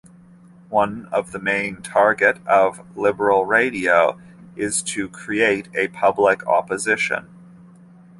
One of the main target of "Liberal radio" is to create a public opposition.